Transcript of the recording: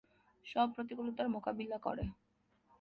সব প্রতিকূলতার মোকাবিলা করে।